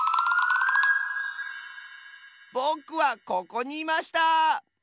ぼくはここにいました！